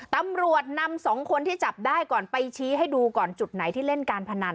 ตำรวจนำสองคนที่จับได้ก่อนไปชี้ให้ดูก่อนจุดไหนที่เล่นการพนัน